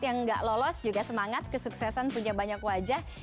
yang gak lolos juga semangat kesuksesan punya banyak wajah